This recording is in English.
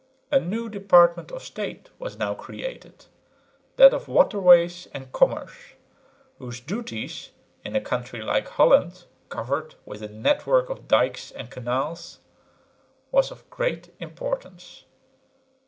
A new department of State was now created, that of Waterways and Commerce, whose duties in a country like Holland, covered with a net work of dykes and canals, was of great importance.